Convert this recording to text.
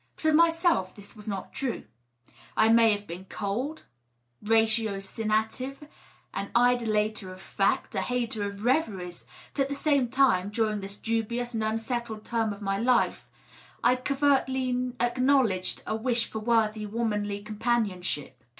But of myself this was not true. 1 may have been cold, ratiocinative, an idolater of fact, a hater of reveries, but at the same time, during this dubious and unsettled term of my life, I covertly acknowledged a wish for worthy womanly companionship.